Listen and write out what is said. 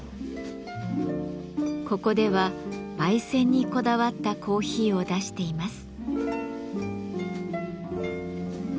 ここでは焙煎にこだわったコーヒーを出しています。